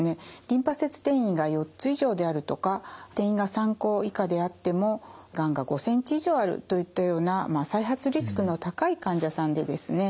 リンパ節転移が４つ以上であるとか転移が３個以下であってもがんが５センチ以上あるといったような再発リスクの高い患者さんでですね